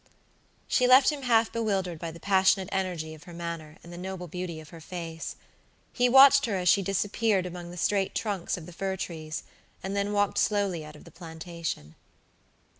She left him half bewildered by the passionate energy of her manner, and the noble beauty of her face. He watched her as she disappeared among the straight trunks of the fir trees, and then walked slowly out of the plantation.